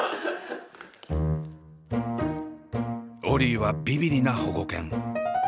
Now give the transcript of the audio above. オリィはビビリな保護犬。